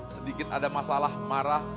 sedikit ada masalah marah